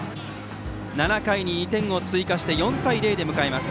７回に２点を追加して４対０で迎えます。